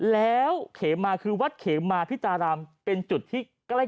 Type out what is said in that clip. แล้วเขมาคือวัดเขมาพิตารามเป็นจุดที่ใกล้